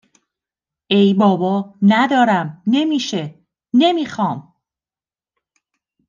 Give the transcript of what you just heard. ای بابا، ندارم، نمیشه، نمی خوام